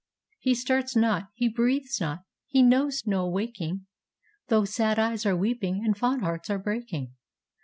He starts not, he breathes not, he knows no awaking, Though sad eyes are weeping and fond hearts are breaking.